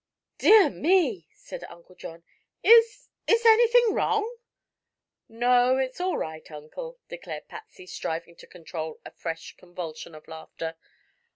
"Dear me!" said Uncle John. "Is is anything wrong!" "No; it's all right, Uncle," declared Patsy, striving to control a fresh convulsion of laughter.